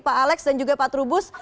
pak alex dan juga pak trubus